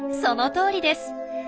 そのとおりです。